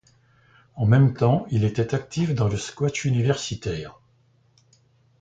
En même temps, il était actif dans le squash universitaire.